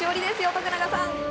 徳永さん。